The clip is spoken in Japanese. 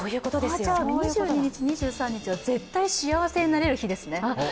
じゃあ、２２日、２３日は絶対幸せになれる日ですね。